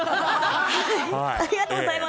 ありがとうございます。